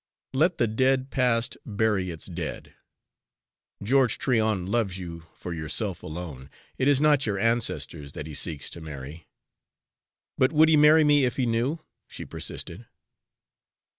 'Let the dead past bury its dead.' George Tryon loves you for yourself alone; it is not your ancestors that he seeks to marry." "But would he marry me if he knew?" she persisted.